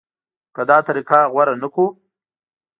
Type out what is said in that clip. که دا طریقه غوره نه کړو.